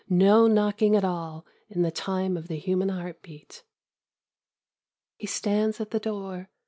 . no knocking at all .., in the time of the human heartbeat. He stands at the door